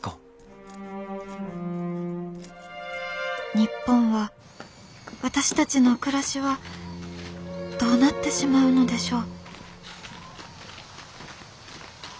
「日本は私たちの暮らしはどうなってしまうのでしょう」。